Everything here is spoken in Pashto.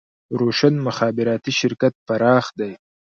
روشن مخابراتي شرکت پراخ دی